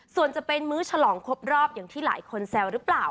ส่วนจะเป็นมื้อฉลองครบรอบอย่างที่หลายคนแซวหรือเปล่า